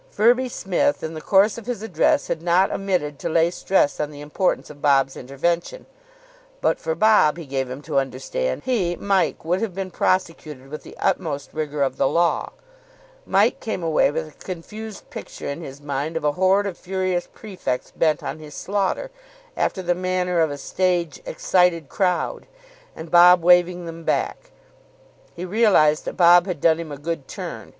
Firby Smith, in the course of his address, had not omitted to lay stress on the importance of Bob's intervention. But for Bob, he gave him to understand, he, Mike, would have been prosecuted with the utmost rigour of the law. Mike came away with a confused picture in his mind of a horde of furious prefects bent on his slaughter, after the manner of a stage "excited crowd," and Bob waving them back. He realised that Bob had done him a good turn.